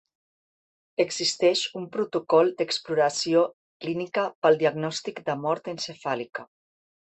Existeix un protocol d’exploració clínica pel diagnòstic de mort encefàlica.